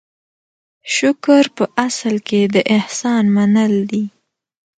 شکر په اصل کې د احسان منل دي.